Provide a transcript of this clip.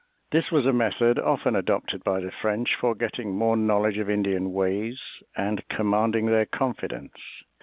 This was a method often adopted by the French for getting more knowledge of Indian ways and commanding their confidence.